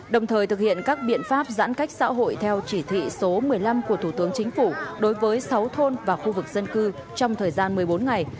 đồng thời thực hiện các biện pháp giãn cách xã hội theo chỉ thị số một mươi năm của thủ tướng chính phủ đối với sáu thôn và khu vực dân cư trong thời gian một mươi bốn ngày